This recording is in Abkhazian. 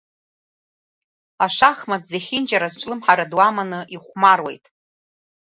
Ашахмат зехьынџьара азҿлымҳара ду аманы ихәмаруеит.